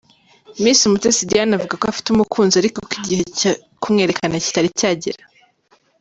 Miss Umutesi Diane avuga ko afite umukunzi ariko ko igihe cyo kumwerekana kitari cyagera.